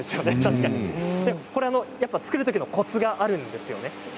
作るときのコツがあるんですね。